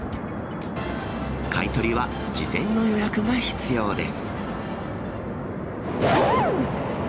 買い取りは事前の予約が必要です。